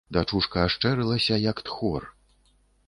Дачушка ашчэрылася, як тхор.